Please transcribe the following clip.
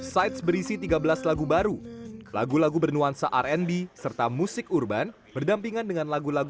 site berisi tiga belas lagu baru lagu lagu bernuansa rnb serta musik urban berdampingan dengan lagu lagu